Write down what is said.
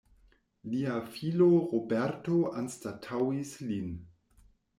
Lia filo Roberto anstataŭis lin.